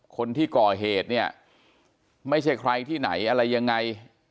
คนที่ก่อเหตุเนี่ยไม่ใช่ใครที่ไหนอะไรยังไง